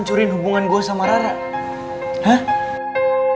jadi sebenernya makanya ternyata raryanya tembus